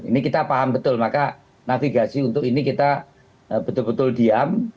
ini kita paham betul maka navigasi untuk ini kita betul betul diam